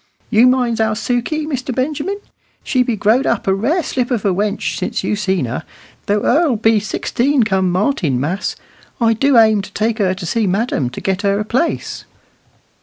You minds our Sukey, Mr. Benjamin; she be growed a rare slip of a wench since you seen her, though her'll be sixteen come Martinmas. I do aim to take her to see madam to get her a place."